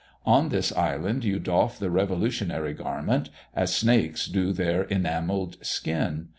On this island you doff the revolutionary garment, as snakes do their enamelled skin.